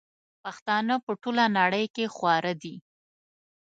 پښتانه په ټوله نړئ کي خواره دي